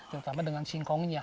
terutama dengan singkongnya